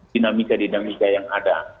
dinamika dinamika yang ada